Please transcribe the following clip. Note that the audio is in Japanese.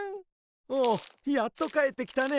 おおやっとかえってきたね。